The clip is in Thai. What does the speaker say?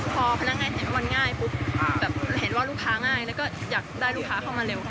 พอพนักงานเห็นว่ามันง่ายปุ๊บแบบเห็นว่าลูกค้าง่ายแล้วก็อยากได้ลูกค้าเข้ามาเร็วค่ะ